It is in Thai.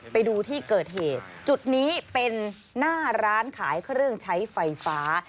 ไปดูที่เกิดเหตุจุดนี้เป็นหน้าร้านขายเครื่องใช้ไฟฟ้า